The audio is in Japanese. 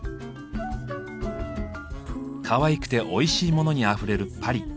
かわいくておいしいモノにあふれるパリ。